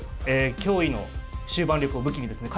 驚異の終盤力を武器にですね